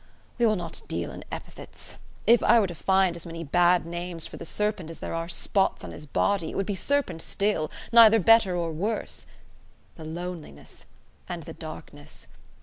... We will not deal in epithets. If I were to find as many bad names for the serpent as there are spots on his body, it would be serpent still, neither better nor worse. The loneliness! And the darkness!